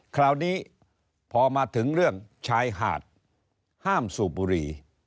คราวนี้พอมาถึงเรื่องชายหาดห้ามสูบบุรี